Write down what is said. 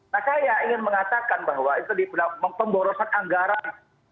nah saya ingin mengatakan bahwa itu dibilang pemborosan anggaran